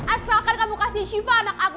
asalkan kamu kasih shiva anak aku